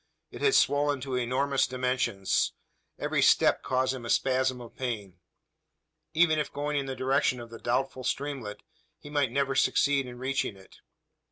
It had swollen to enormous dimensions. Every step caused him a spasm of pain. Even if going in the direction of the doubtful streamlet, he might never succeed in reaching it?